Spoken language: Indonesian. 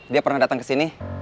dia pernah datang ke sini